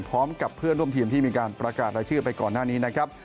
พร้อมกับเพื่อนร่วมทีมที่มีการประกาศรายชื่อไปก่อนหน้านี้นะครับ